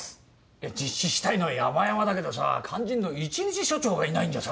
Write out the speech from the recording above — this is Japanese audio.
いや実施したいのはやまやまだけどさ肝心の１日署長がいないんじゃさ。